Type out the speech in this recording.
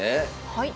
はい。